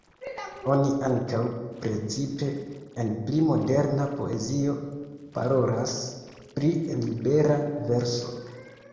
Oni ankaŭ, precipe en pli "moderna" poezio, parolas pri libera verso.